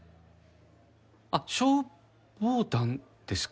あっ消防団ですか？